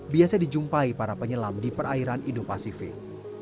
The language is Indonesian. biasa dijumpai para penyelam di perairan indo pasifik